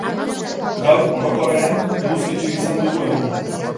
Gaur, orokorrean, eguzkitsu izan dugu eguna.